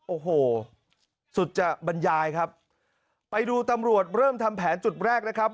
โอ้โหสุจบรรยายครับไปดูตำรวจเริ่มทำแผนจุดแรกนะครับ